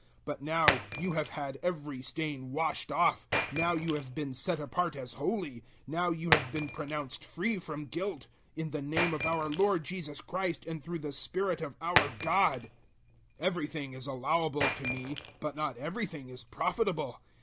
But now you have had every stain washed off: now you have been set apart as holy: now you have been pronounced free from guilt; in the name of our Lord Jesus Christ and through the Spirit of our God. 006:012 Everything is allowable to me, but not everything is profitable.